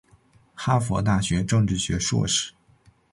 哈佛大学政治学硕士。